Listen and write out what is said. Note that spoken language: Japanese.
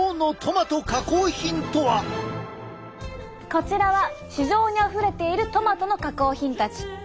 こちらは市場にあふれているトマトの加工品たち。